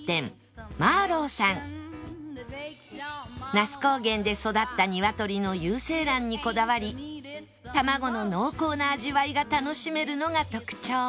那須高原で育った鶏の有精卵にこだわり卵の濃厚な味わいが楽しめるのが特徴